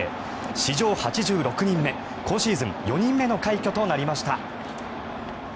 史上８６人目今シーズン４人目の快挙となりました。